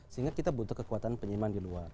sehingga kita butuh kekuatan penyiman di luar